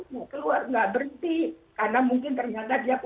itu semua kita harus observasi